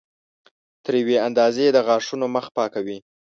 تر یوې اندازې د غاښونو مخ پاکوي.